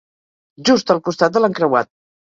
Just al costat de l'encreuat.